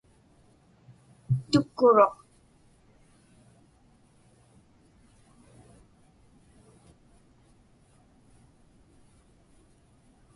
Tukkuruq.